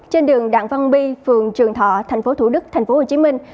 trên đường đặng văn bi phường trường thọ thành phố thủ đức thành phố hồ chí minh